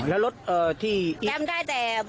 แก้มได้แต่บอลโทงแต่ไม่รู้ยี่โฮอะไร